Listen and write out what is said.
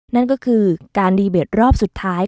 นั่นก็คือการดีเบตรอบสุดท้าย